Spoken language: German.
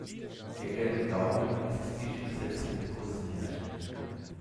Der gelbe Gaumen ist dicht besetzt mit kurzen Härchen.